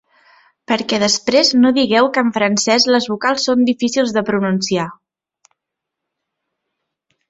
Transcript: Perquè després no digueu que en francès les vocals són difícils de pronunciar.